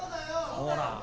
ほら。